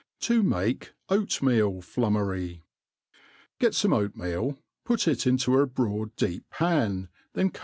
To make Oatmeal Flummery. GET fome oatmeal, put it into a broad deep pan, then co«.